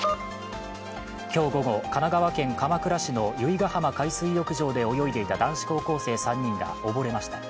今日午後、神奈川県鎌倉市の由比ガ浜海水浴場で泳いでいた男子高校生３人が溺れました。